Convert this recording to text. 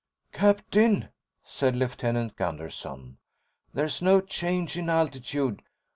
"Captain," said Lieutenant Gunderson. "There's no change in altitude.